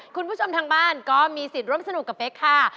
คุณผู้ชมทางบ้านก็มีสิทธิ์ร่วมสนุกกับเป๊กค่ะ